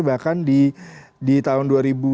bahkan di tahun dua ribu dua puluh